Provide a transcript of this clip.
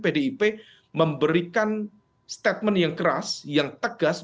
pdip memberikan statement yang keras yang tegas